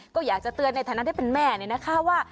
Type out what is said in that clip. ก็อยากจะเตือนในฐานะที่เป็นแม่เนี่ยนะคะว่า